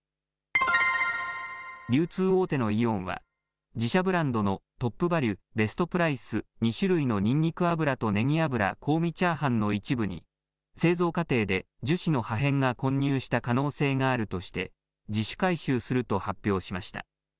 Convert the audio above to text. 流通大手のイオンは、自社ブランドのトップバリュベストプライス２種類のにんにく油とねぎ油香味チャーハンの一部に製造過程で樹脂の破片が混入した可能性があるとして自主回収すると発表しました。